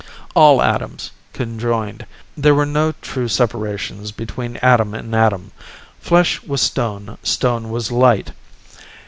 All atoms. Conjoined. There were no true separations between atom and atom. Flesh was stone, stone was light.